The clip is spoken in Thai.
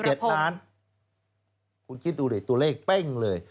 ทีระพงคุณคิดดูตัวเลขแป้งเลย